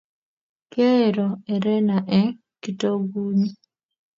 Kiaro erene eng' kitokunyu